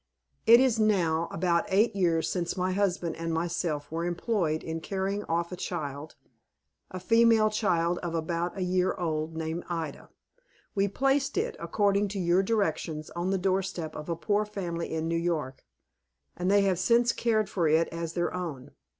It is now about eight years since my husband and myself were employed in carrying off a child a female child of about a year old named Ida. We placed it, according to your directions, on the door step of a poor family in New York, and they have since cared for it as their own.